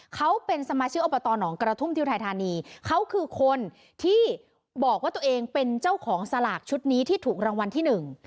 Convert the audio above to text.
เขาเป็นสมาชิกอบตหนองกระทุ่มที่อุทัยธานีเขาคือคนที่บอกว่าตัวเองเป็นเจ้าของสลากชุดนี้ที่ถูกรางวัลที่หนึ่ง